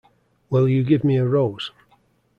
Will you give me a rose?